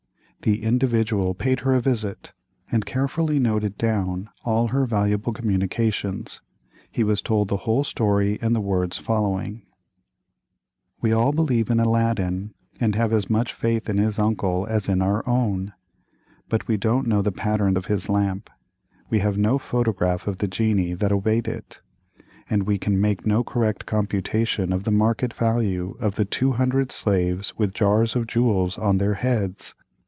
The "Individual" paid her a visit, and carefully noted down all her valuable communications; he has told the whole story in the words following: We all believe in Aladdin, and have as much faith in his uncle as in our own; but we don't know the pattern of his lamp, we have no photograph of the genii that obeyed it, and we can make no correct computation of the market value of the two hundred slaves with jars of jewels on their heads.